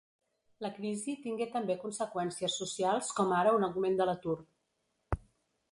La crisi tingué també conseqüències socials com ara un augment de l'atur.